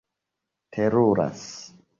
teruras